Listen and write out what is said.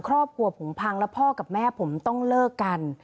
ครอบครัวผมพังแล้วพ่อกับแม่ผมต้องเลิกกัน